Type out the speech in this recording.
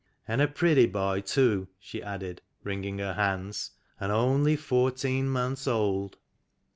" And a pretty boy too," she added, wring ing her hands, " and only fourteen months old."